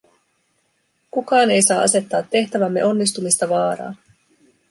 Kukaan ei saa asettaa tehtävämme onnistumista vaaraan.